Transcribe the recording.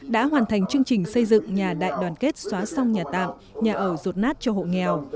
đã hoàn thành chương trình xây dựng nhà đại đoàn kết xóa xong nhà tạm nhà ở rột nát cho hộ nghèo